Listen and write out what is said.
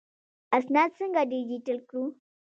اسناد څنګه ډیجیټل کړو؟